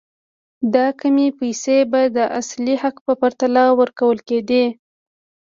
دا کمې پیسې به د اصلي حق په پرتله ورکول کېدې.